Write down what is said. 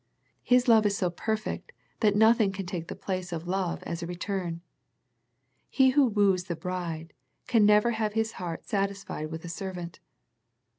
His love is so perfect that nothing can take the place of love as a return. He who woos the bride can never have his heart sat isfied with a servant.